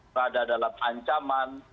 berada dalam ancaman